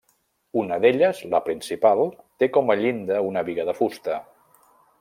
Una d'elles, la principal, té com a llinda una biga de fusta.